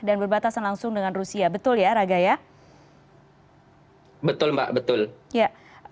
dan berbatasan langsung dengan rusia betul ya raga ya betul mbak betul ya